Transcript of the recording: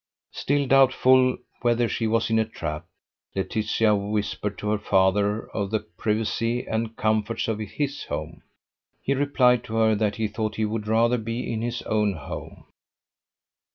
Still doubtful whether she was in a trap, Laetitia whispered to her father of the privacy and comforts of his home. He replied to her that he thought he would rather be in his own home.